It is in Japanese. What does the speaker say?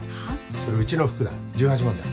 それうちの服だ１８万だ